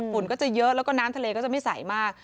ก็จะเยอะแล้วก็น้ำทะเลก็จะไม่ใสมาก